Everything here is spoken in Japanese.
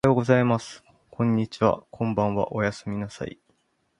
おはようございます。こんにちは。こんばんは。おやすみなさい。